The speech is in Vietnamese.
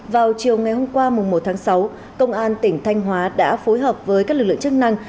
vào chiều ngày hôm qua một tháng sáu công an tỉnh thanh hóa đã phối hợp với các lực lượng chức năng